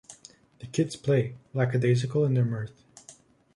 The kids play, lackadaisical in their mirth.